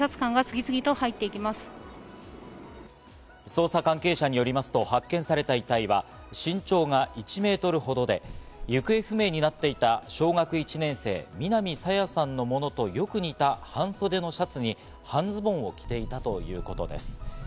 捜査関係者によりますと発見された遺体は、身長が１メートルほどで、行方不明になっていた小学１年生・南朝芽さんのものとよく似た半袖のシャツに半ズボンを着ていたということです。